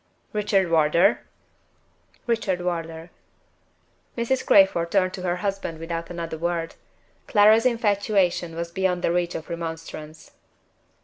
"Richard Wardour?" "Richard Wardour." Mrs. Crayford turned to her husband without another word. Clara's infatuation was beyond the reach of remonstrance.